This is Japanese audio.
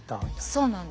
そうなんです。